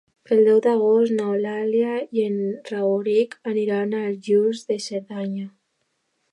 El deu d'agost n'Eulàlia i en Rauric aniran a Guils de Cerdanya.